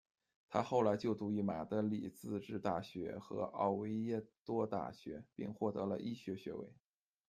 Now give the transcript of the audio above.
他后来就读于马德里自治大学和奥维耶多大学，并获得了医学学位。